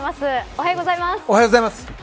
おはようございます。